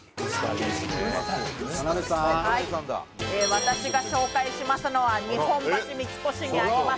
私が紹介しますのは日本橋三越にあります。